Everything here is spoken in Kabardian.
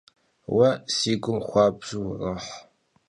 Vue si gum xuabju vuroh.